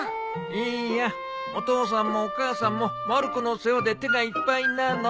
いやお父さんもお母さんもまる子の世話で手がいっぱいなの。